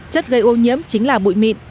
chất gây ô nhiễm chính là bụi mịn